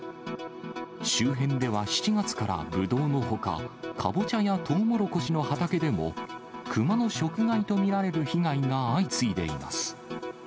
周辺では７月からぶどうのほか、カボチャやトウモロコシの畑でもクマの食害と見られる被害が相次いでいます。